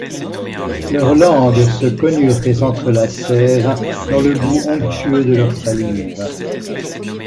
Leurs langues se connurent et s'entrelacèrent dans le goût onctueux de leurs salives.